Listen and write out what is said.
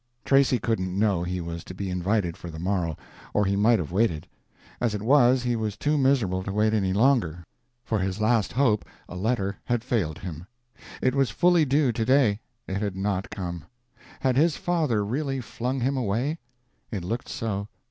'" Tracy couldn't know he was to be invited for the morrow, or he might have waited. As it was, he was too miserable to wait any longer; for his last hope—a letter—had failed him. It was fully due to day; it had not come. Had his father really flung him away? It looked so.